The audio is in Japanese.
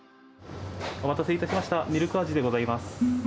お待たせいたしました、ミルク味でございます。